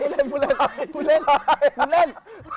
คุณเล่น